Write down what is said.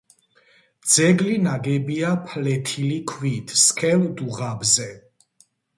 ძეგლი ნაგებია ფლეთილი ქვით სქელ დუღაბზე.